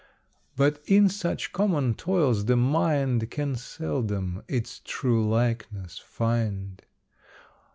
But in such common toils the mind Can seldom its true likeness find.